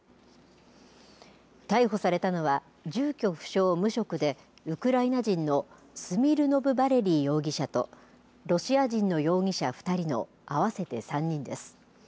逮捕されたのは住居不詳、無職でウクライナ人のスミルノブ・バレリー容疑者とロシア人の容疑者２人の合わせて３人です。